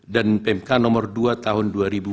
dan pmk nomor dua tahun dua ribu dua puluh empat